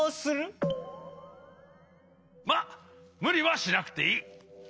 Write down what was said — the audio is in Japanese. まっむりはしなくていい。